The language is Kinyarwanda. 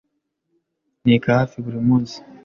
Nteka hafi buri munsi.